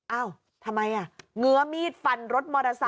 เอาทำไมน่ะเหงือมิดฟันรถมอเตอร์ไซค์